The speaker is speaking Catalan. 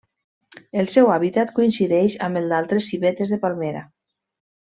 El seu hàbitat coincideix amb el d'altres civetes de palmera.